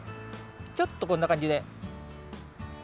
ちょっとこんなかんじで。